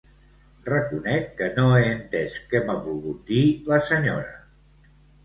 Reconec que no he entès què m'ha volgut dir la senyora.